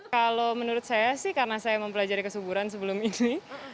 kalau menurut saya sih karena saya mempelajari kesuburan sebelum ini